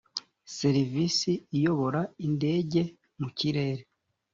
serivisi iyobora indege mu kirere